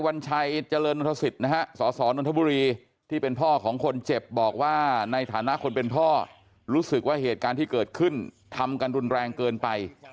ว่าเหตุการณ์ที่เกิดขึ้นทำกันรุนแรงเกินไป